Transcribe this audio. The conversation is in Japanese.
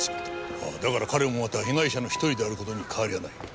ああだから彼もまた被害者の１人である事に変わりはない。